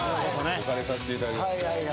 お借りさせていただきます。